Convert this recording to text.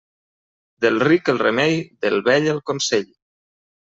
Del ric el remei, del vell el consell.